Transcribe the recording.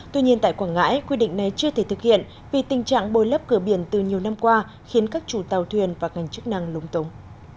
tuy nhiên tại quảng ngãi quy định này chưa thể thực hiện vì tình trạng bôi lấp cửa biển từ nhiều năm qua khiến các chủ tàu thuyền và ngành chức năng lúng tống